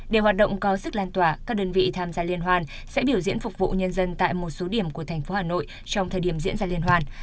để hoạt động có sức lan tỏa các đơn vị tham gia liên hoan sẽ biểu diễn phục vụ nhân dân tại một số điểm của thành phố hà nội trong thời điểm diễn ra liên hoàn